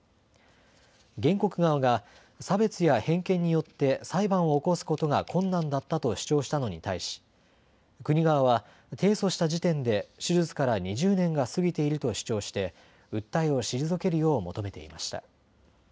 原告側が差別や偏見によって裁判を起こすことが困難だったと主張したのに対し国側は提訴した時点で手術から２０年が過ぎていると主張して訴えを退けるよう求めていました。